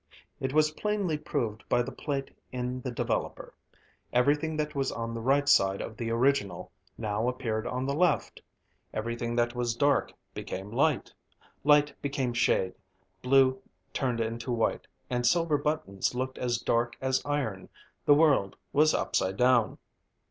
It was plainly proved by the plate in the developer. Everything that was on the right side of the original, now appeared on the left; everything that was dark, became light; light became shade; blue turned into white, and silver buttons looked as dark as iron. The world was upside down.